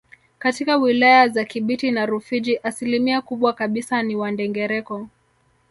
Katika wilaya za Kibiti na Rufiji asilimia kubwa kabisa ni Wandengereko